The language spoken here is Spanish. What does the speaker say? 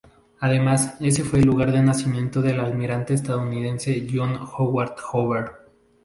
Además, ese fue el lugar de nacimiento del almirante estadounidense John Howard Hoover.